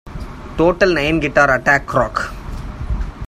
Total nine guitar attack-rock.